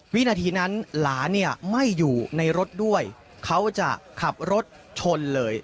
วินาทีนั้นหลานเนี่ยไม่อยู่ในรถด้วยเขาจะขับรถชนเลย